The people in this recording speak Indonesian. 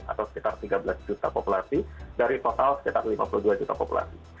atau sekitar tiga belas juta populasi dari total sekitar lima puluh dua juta populasi